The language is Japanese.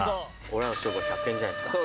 「俺らの勝負は１００円じゃないですか」